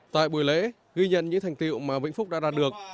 tại buổi lễ ghi nhận những thành tiệu mà vĩnh phúc đã đạt được